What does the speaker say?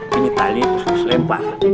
binyet tali terus lebar